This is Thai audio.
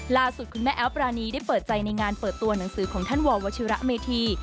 ล่าสุดคุณแม่แอฟปรานีได้เปิดใจในงานเปิดตัวหนังสือของท่านววชิระเมธี